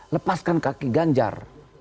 lepaskan kaki ganjar